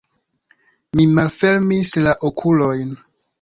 Mi malfermis la okulojn.